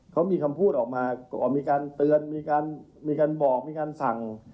เขามีคำพูดออกมามีการเตือนมีการบอกมีการสั่ง